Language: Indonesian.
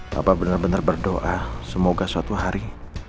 bapak benar benar berdoa semoga suatu hari